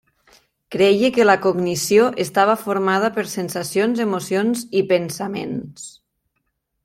Creia que la cognició estava formada per sensacions, emocions i pensaments.